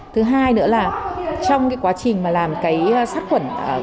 thứ hai nữa là trong quá trình làm sát quẩn